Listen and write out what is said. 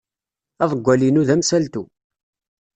Aḍewwal-inu d amsaltu.